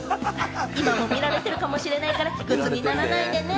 今も見られてるかもしれないから、卑屈にならないでね。